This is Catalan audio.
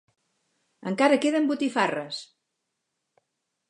Encara queden botifarres!